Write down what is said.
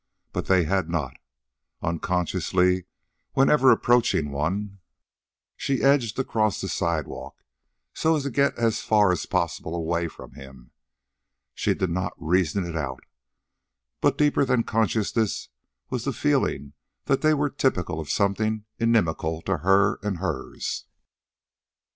But they had not. Unconsciously, whenever approaching one, she edged across the sidewalk so as to get as far as possible away from him. She did not reason it out, but deeper than consciousness was the feeling that they were typical of something inimical to her and hers.